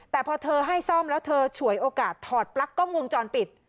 แต่พอเธอให้ซ่อมแล้วเธอฉวยโอกาสถอดปลั๊กกล้องวงจรปิด